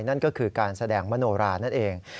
นั่นก็คือการแสดงมโนรานั่นเอง